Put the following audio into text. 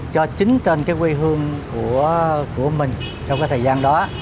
cho chính trên cái quê hương của mình trong cái thời gian đó